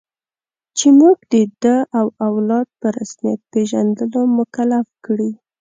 چې موږ د ده او اولاد په رسمیت پېژندلو مکلف کړي.